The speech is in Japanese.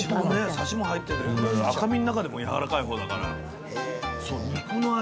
サシも入ってて赤身の中でもやわらかい方だから。